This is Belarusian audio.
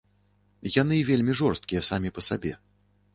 Яны вельмі жорсткія самі па сабе.